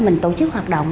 mình tổ chức hoạt động